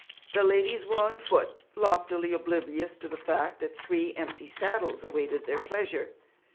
The ladies were on foot, loftily oblivious to the fact that three empty saddles awaited their pleasure.